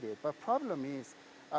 semua orang bisa